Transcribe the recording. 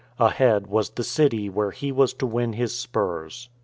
Ahead was the city where he was to win his spurs.